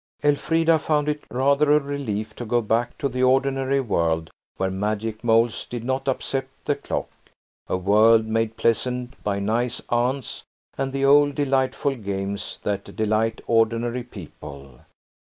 Elfrida found it rather a relief to go back to the ordinary world, where magic moles did not upset the clock–a world made pleasant by nice aunts and the old delightful games that delight ordinary people.